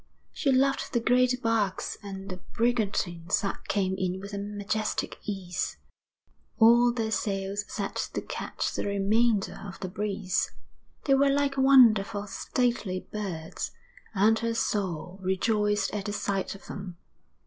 She loved the great barques and the brigantines that came in with a majestic ease, all their sails set to catch the remainder of the breeze; they were like wonderful, stately birds, and her soul rejoiced at the sight of them.